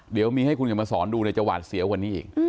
เดี๋ยวมีให้คุณกันมาสอนดูในจังหวาดเสียววันนี้อีก